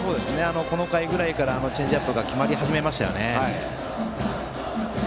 この回ぐらいからチェンジアップが決まり始めましたね。